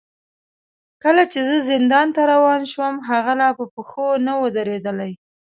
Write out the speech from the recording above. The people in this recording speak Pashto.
کله چې زه زندان ته روان شوم، هغه لا په پښو نه و درېدلی.